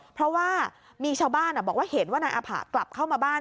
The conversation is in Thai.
เพราะว่ามีชาวบ้านบอกว่าเห็นว่านายอาผะกลับเข้ามาบ้าน